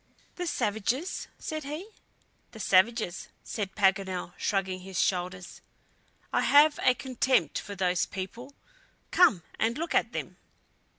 "The savages?" said he. "The savages," said Paganel, shrugging his shoulders. "I have a contempt for those people! Come and look at them."